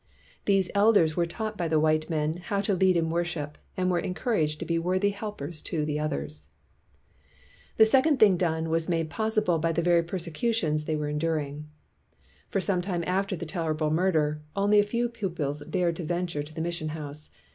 These elders were taught by the white men how to lead in worship, and were encour aged to be worthy helpers to the others. 220 STURDY BLACK CHRISTIANS The second thing done was made possi ble by the very persecutions they were en during. For some time after the terrible murder, only a few pupils dared to venture to the mission house.